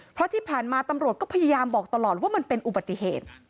เพราะที่ผ่านมาตำรวจก็พยายามบอกตลอดว่ามันเป็นอุบัติเหตุ